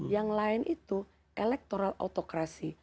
yang lain itu electoral autokrasi